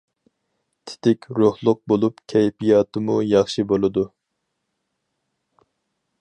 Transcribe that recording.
تېتىك، روھلۇق بولۇپ كەيپىياتىمۇ ياخشى بولىدۇ.